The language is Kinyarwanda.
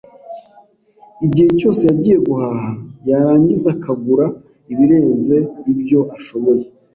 Igihe cyose yagiye guhaha, yarangiza akagura ibirenze ibyo ashoboye.